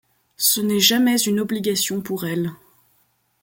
Ce n'est jamais une obligation pour elle.